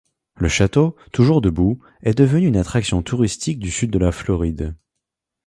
Le château, toujours debout, est devenu une attraction touristique du sud de la Floride.